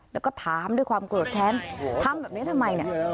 แล้วก็ถามด้วยความโกรธแค้นทำแบบนี้ทำไมเนี่ย